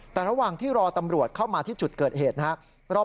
แต่ระหว่างที่รอตำรวจเข้ามาที่จุดเกิดเหตุนะครับ